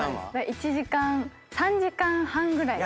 １時間３時間半ぐらい。